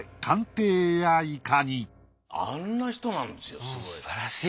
あんな人なんですよすごい。